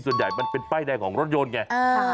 มันเป็นป้ายแดงของรถยนต์ไง